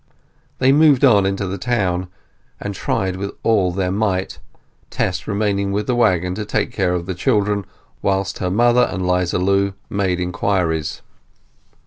They moved on into the town, and tried with all their might, Tess remaining with the waggon to take care of the children whilst her mother and 'Liza Lu made inquiries.